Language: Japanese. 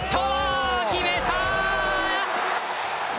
決めた！